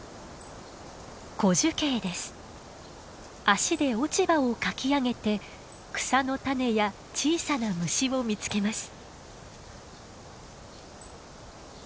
足で落ち葉をかき上げて草の種や小さな虫を見つけます。